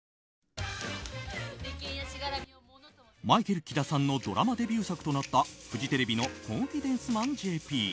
マイケル・キダさんのドラマデビュー作となったフジテレビの「コンフィデンスマンＪＰ」。